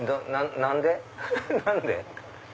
何で？